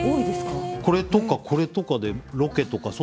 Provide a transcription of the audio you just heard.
これとかこれとかでロケとか外。